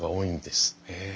へえ。